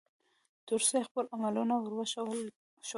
ترڅو يې خپل عملونه ور وښودل شي